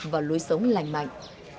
và lối sống lành mạnh